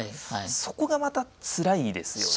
そこがまたつらいですよね。